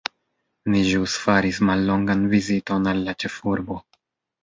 Ni ĵus faris mallongan viziton al la ĉefurbo.